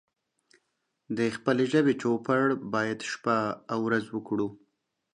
د خپلې ژبې چوپړ بايد شپه او ورځ وکړو